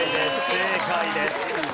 正解です。